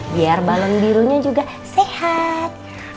biar balon birunya juga sehat